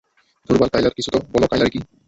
ধুরবাল কাইলা কিছু তো বলো কাইলা রিকি?